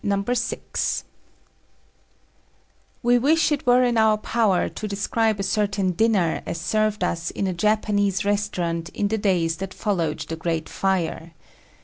Artistic Japan We wish it were in our power to describe a certain dinner as served us in a Japanese restaurant in the days that followed the great fire.